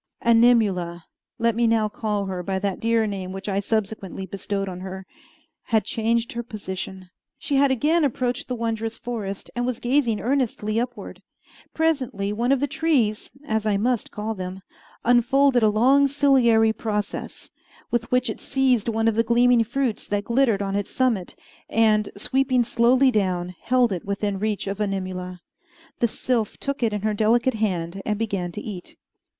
Animula (let me now call her by that dear name which I subsequently bestowed on her) had changed her position. She had again approached the wondrous forest, and was gazing earnestly upward. Presently one of the trees as I must call them unfolded a long ciliary process, with which it seized one of the gleaming fruits that glittered on its summit, and, sweeping slowly down, held it within reach of Animula. The sylph took it in her delicate hand and began to eat.